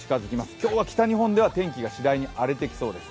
今日は北日本では天気がしだいに荒れてきそうです。